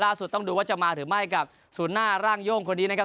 ต้องดูว่าจะมาหรือไม่กับศูนย์หน้าร่างโย่งคนนี้นะครับ